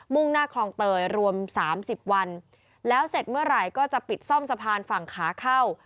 ่งหน้าคลองเตยรวมสามสิบวันแล้วเสร็จเมื่อไหร่ก็จะปิดซ่อมสะพานฝั่งขาเข้า